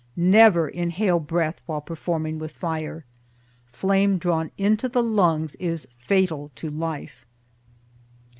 Never inhale breath while performing with fire. FLAME DRAWN INTO THE LUNGS IS FATAL TO LIFE.